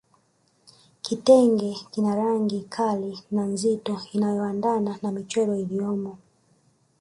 Kitenge kina rangi kali na nzito inayoendana na michoro iliyomo